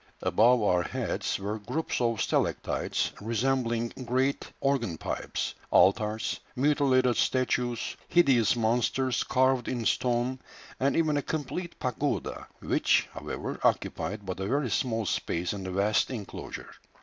Above our heads were groups of stalactites resembling great organ pipes, altars, mutilated statues, hideous monsters carved in stone, and even a complete pagoda, which, however, occupied but a very small space in the vast enclosure.